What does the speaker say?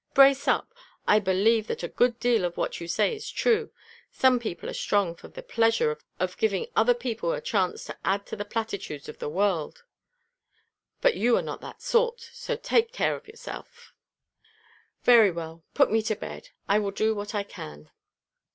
Brace up. I believe that a good deal of what you say is true. Some people are strong for the pleasure of giving other people a chance to add to the platitudes of the world; but you are not that sort. So take care of yourself." "Very well; put me to bed. I will do what I can."